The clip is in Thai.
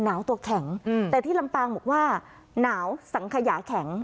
หนาวตัวแข็งแต่ที่ลำปางบอกว่าหนาวสังขยาแข็ง